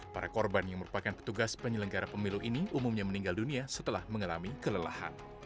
para korban yang merupakan petugas penyelenggara pemilu ini umumnya meninggal dunia setelah mengalami kelelahan